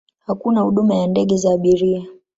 Hakuna huduma ya ndege za abiria.